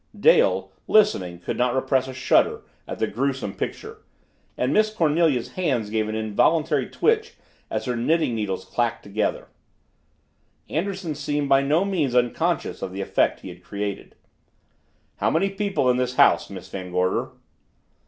Dale, listening, could not repress a shudder at the gruesome picture and Miss Cornelia's hands gave an involuntary twitch as her knitting needles clicked together. Anderson seemed by no means unconscious of the effect he had created. "How many people in this house, Miss Van Gorder?"